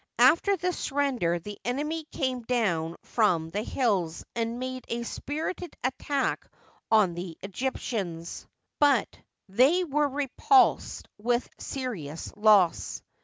After the surrender the enemy came down from the hills and made a spirited attack on the Egyptians, but they were repulsed with serious loss.